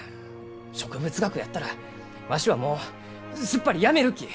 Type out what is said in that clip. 植物学やったらわしはもうすっぱりやめるき！